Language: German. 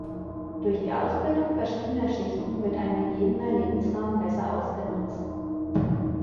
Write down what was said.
Durch die Ausbildung verschiedener Schichten wird ein gegebener Lebensraum besser ausgenutzt.